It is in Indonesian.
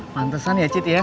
pantesan ya citi ya